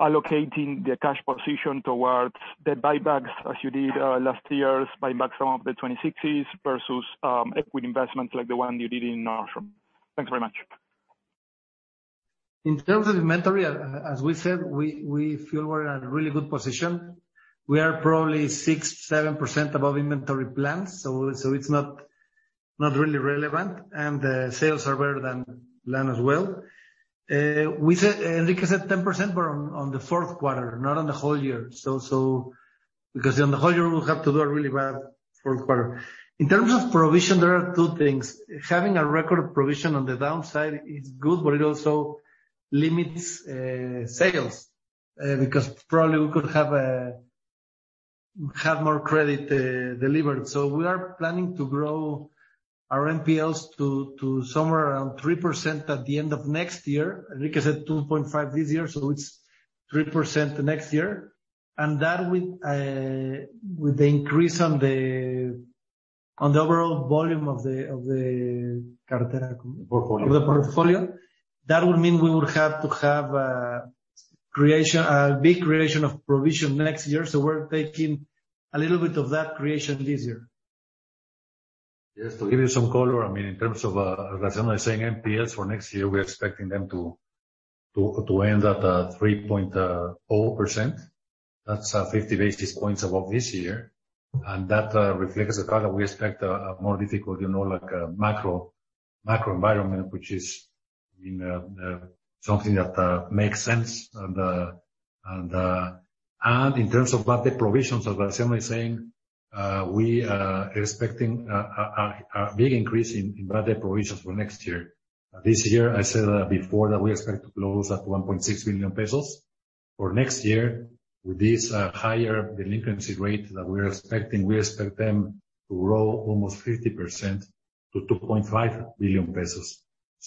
allocating the cash position towards the buybacks as you did last year's buyback, some of the 26s versus equity investments like the one you did in Nordstrom. Thanks very much. In terms of inventory, as we said, we feel we're in a really good position. We are probably 6%-7% above inventory plans, so it's not really relevant. The sales are better than planned as well. Enrique said 10%, but on the fourth quarter, not on the whole year. Because on the whole year, we'll have to do a really bad fourth quarter. In terms of provision, there are two things. Having a record provision on the downside is good, but it also limits sales because probably we could have more credit delivered. We are planning to grow our NPLs to somewhere around 3% at the end of next year. Enrique said 2.5% this year, so it's 3% next year. That will with the increase in the overall volume of the portfolio. That would mean we would have to have a creation, a big creation of provision next year. We're taking a little bit of that creation this year. Just to give you some color, I mean, in terms of Graciano saying NPLs for next year, we're expecting them to end at 3.0%. That's 50 basis points above this year. That reflects the fact that we expect a more difficult, you know, like a macro environment, which is, I mean, something that makes sense. In terms of bad debt provisions, as Graciano is saying, we are expecting a big increase in bad debt provisions for next year. This year, I said before that we expect to close at 1.6 billion pesos. For next year, with this higher delinquency rate that we're expecting, we expect them to grow almost 50% to 2.5 billion pesos.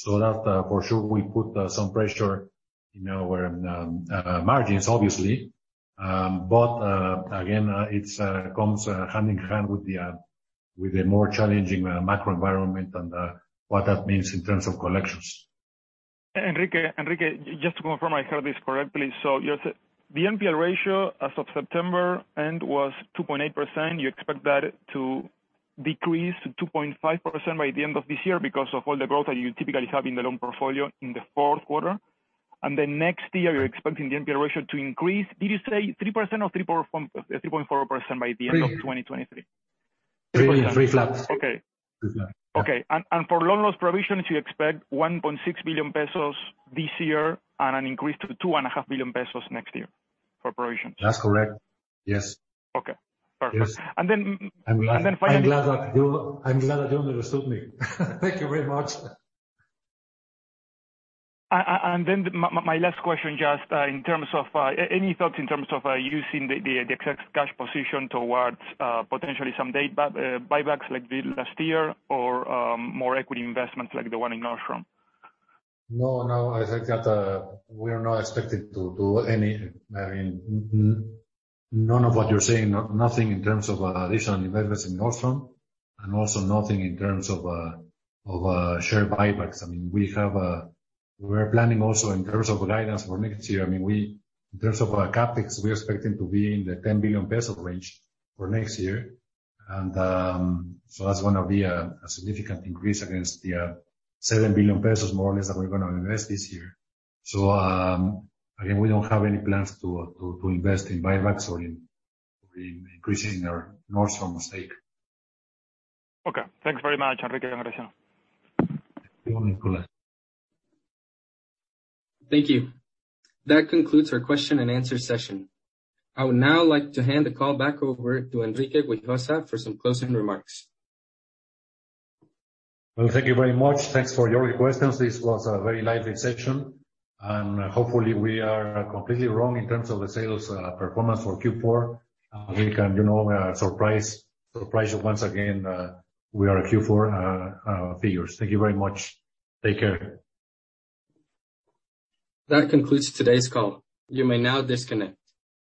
That for sure will put some pressure on our margins obviously. Again, it comes hand in hand with the more challenging macro environment and what that means in terms of collections. Enrique, just to confirm I heard this correctly. You're the NPL ratio as of September end was 2.8%. You expect that to decrease to 2.5% by the end of this year because of all the growth that you typically have in the loan portfolio in the fourth quarter. Next year, you're expecting the NPL ratio to increase. Did you say 3% or 3.4% by the end of 2023? 3% flat. Okay. For loan loss provisions, you expect 1.6 billion pesos this year and an increase to 2.5 billion pesos next year for provisions? That's correct. Yes. Okay. Perfect. Yes. I'm glad that you understood me. Thank you very much. My last question, just in terms of any thoughts in terms of using the excess cash position towards potentially some debt buybacks like we did last year or more equity investments like the one in Nordstrom? No, no. I think that we are not expecting to do any, I mean, none of what you're saying. Nothing in terms of additional investments in Nordstrom, and also nothing in terms of share buybacks. I mean, we're planning also in terms of guidance for next year. I mean, in terms of CapEx, we're expecting to be in the 10 billion peso range for next year. That's going to be a significant increase against the 7 billion pesos more or less that we're going to invest this year. Again, we don't have any plans to invest in buybacks or in increasing our Nordstrom stake. Okay. Thanks very much, Enrique and Graciano. Thank you, Nicolas. Thank you. That concludes our question-and-answer session. I would now like to hand the call back over to Enrique Güijosa for some closing remarks. Well, thank you very much. Thanks for your questions. This was a very lively session, and hopefully we are completely wrong in terms of the sales performance for Q4. We can, you know, surprise you once again with our Q4 figures. Thank you very much. Take care. That concludes today's call. You may now disconnect.